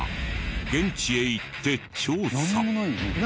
現地へ行って調査。